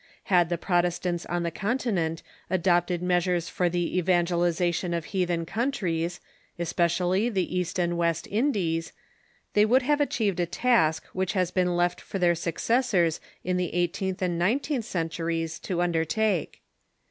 Had the Prot estants on the Continent adopted measures for the evangeliza tion of heathen countries, especially the East and West Indies, they would have achieved a task which has been left for their successors in the eighteenth and nineteenth centuries to under take.